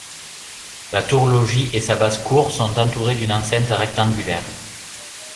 La tour-logis et sa basse-cour sont entourées d’une enceinte rectangulaire.